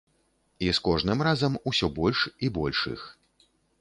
І з кожным разам усё больш і больш іх.